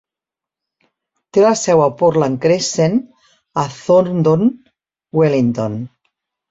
Té la seu a Portland Crescent a Thorndon, Wellington.